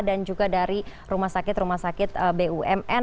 dan juga dari rumah sakit rumah sakit bumn